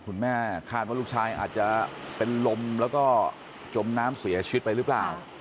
คุณแม่คาดว่าลูกชายอาจจะเป็นลมแล้วก็จมน้ำเสียชีวิตไปหรือเปล่า